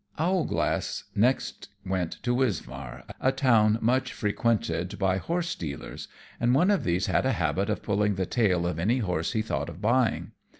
_ Owlglass next went to Wismar, a town much frequented by horse dealers, and one of these had a habit of pulling the tail of any horse he thought of buying.